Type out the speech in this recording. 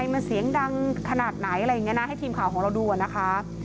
มันเสียงดังขนาดไหนอะไรอย่างนี้นะให้ทีมข่าวของเราดูนะคะ